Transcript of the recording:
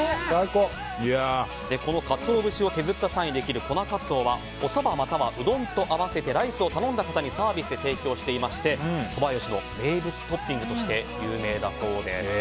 このカツオ節を削った際にできる粉かつおはおそば、またはうどんと合わせてライスを頼んだ方にサービスで提供していましてそばよしの名物トッピングとして有名だそうです。